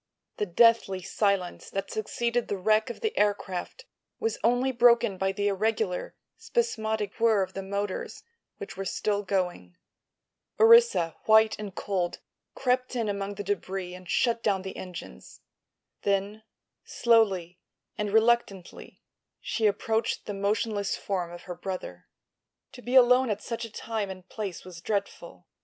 The deathly silence that succeeded the wreck of the aircraft was only broken by the irregular, spasmodic whirr of the motors, which were still going. Orissa, white and cold, crept in among the debris and shut down the engines. Then, slowly and reluctantly, she approached the motionless form of her brother. To be alone at such a time and place was dreadful.